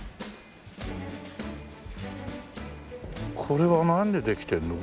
これは何でできてるの？